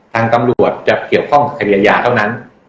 ทางตำรวจจะเกี่ยวข้องกับคดียาเท่านั้น